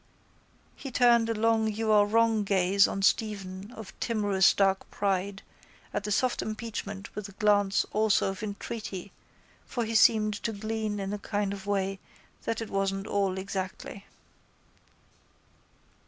He turned a long you are wrong gaze on Stephen of timorous dark pride at the soft impeachment with a glance also of entreaty for he seemed to glean in a kind of a way that it wasn't all exactly.